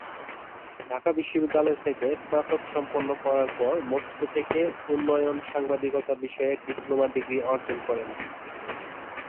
ঢাকা বিশ্বদ্যিালয় থেকে স্নাতক সম্পন্ন করার পর মস্কো থেকে উন্নয়ন সাংবাদিকতা বিষয়ে ডিপ্লোমা ডিগ্রি অর্জন করেন।